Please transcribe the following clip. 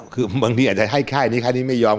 คือบางทีอาจจะให้ค่ายนี้ค่ายนี้ไม่ยอม